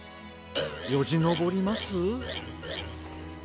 よじのぼります？